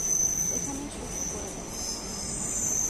এখানে শূশু করে দাও।